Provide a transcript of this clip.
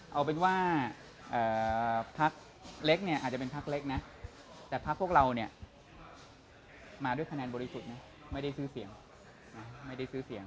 เอาเป็นว่าพักเล็กอาจจะเป็นพักเล็กแต่พักพวกเรามาด้วยคะแนนบริสุทธิ์ไม่ได้ซื้อเสียง